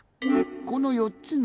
この４つのもじ。